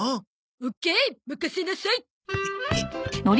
オッケーまかせなさい。